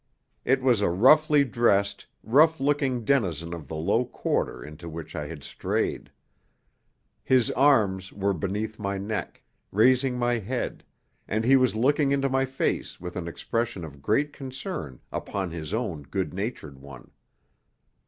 It was a roughly dressed, rough looking denizen of the low quarter into which I had strayed. His arms were beneath my neck, raising my head, and he was looking into my face with an expression of great concern upon his own good natured one.